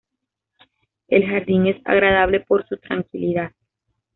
El jardín es agradable por su tranquilidad.